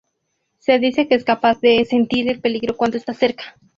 Se dice que es capaz de sentir el peligro cuando está cerca.